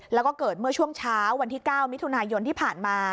แล้วก็เกิดเมื่อช่วงเช้าวันที่๙มิถุนายนที่ผ่านมา